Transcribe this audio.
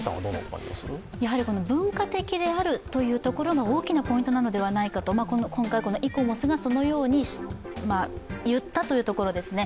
文化的であるというところが大きなポイントであるのではないかと今回イコモスがそのように言ったというところですね。